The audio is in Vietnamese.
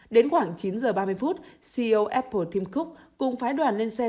đến khoảng chín giờ ba mươi phút ceo apple tìm cúc cùng phái đoàn lên xe dự án